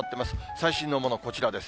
最新のもの、こちらです。